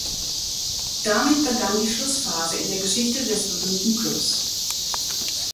Damit begann die Schlussphase in der Geschichte des berühmten Klubs.